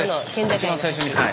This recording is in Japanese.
一番最初にはい。